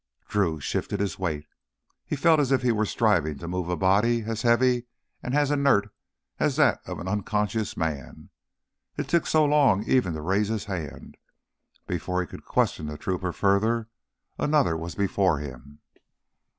Drew shifted his weight. He felt as if he were striving to move a body as heavy and as inert as that of an unconscious man. It took so long even to raise his hand. Before he could question the trooper further, another was before him.